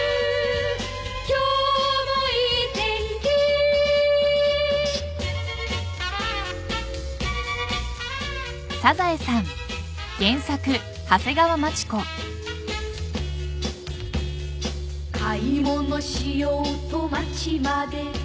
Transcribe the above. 「今日もいい天気」「買い物しようと街まで」